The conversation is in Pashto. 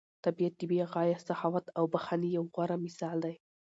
طبیعت د بې غایه سخاوت او بښنې یو غوره مثال دی.